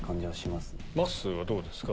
まっすーはどうですか？